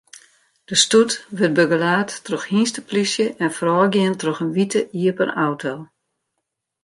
De stoet wurdt begelaat troch hynsteplysje en foarôfgien troch in wite iepen auto.